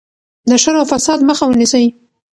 د شر او فساد مخه ونیسئ.